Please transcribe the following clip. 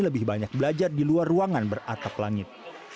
lebih banyak belajar di luar ruangan beratap langit